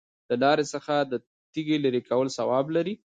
د لارې څخه د تیږې لرې کول ثواب دی.